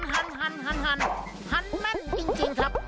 หันหันแม่นจริงครับ